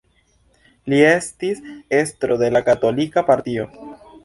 Li estis estro de la Katolika Partio.